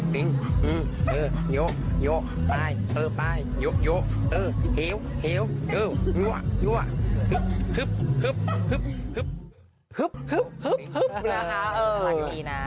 มันมีนะ